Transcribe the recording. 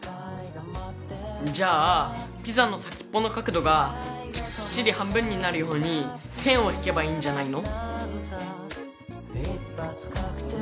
じゃあピザの先っぽの角度がきっちり半分になるように線を引けばいいんじゃないの？